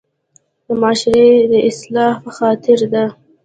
د معاشري د اصلاح پۀ خاطر ده